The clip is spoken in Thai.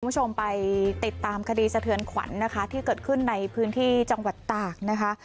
คุณผู้ชมไปติดตามคดีสะเทือนขวัญนะคะที่เกิดขึ้นในพื้นที่จังหวัดตากนะคะ